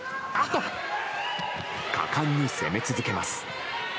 果敢に攻め続けます。